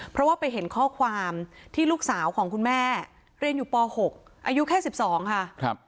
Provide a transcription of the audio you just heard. เพราะว่าไปเห็นข้อความที่ลูกสาวของคุณแม่เรียนอยู่ป๖อายุแค่๑๒ค่ะ